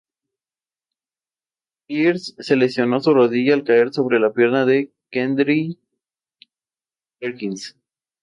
Copa amplia, redonda.